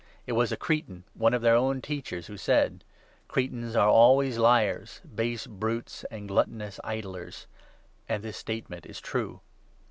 It was a Cretan — one of their own 12 teachers — who said :' Cretans are always liars, base brutes, and gluttonous idlers '; and his statement is true.